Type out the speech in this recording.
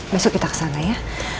besok kita ke sana ya